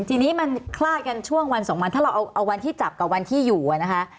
ทีนี้มันคลาดกันช่วงวันสองวันถ้าเราเอาวันที่จับกับวันที่อยู่นะคะ